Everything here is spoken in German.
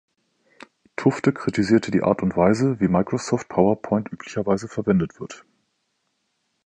Tufte kritisierte die Art und Weise, wie Microsoft PowerPoint üblicherweise verwendet wird.